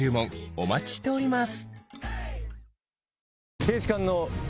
お待ちしております